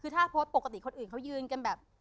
คือถ้าโพสต์ปกติคนอื่นเขายืนกันแบบ